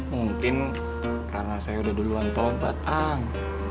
mungkin karena saya udah duluan tobat ang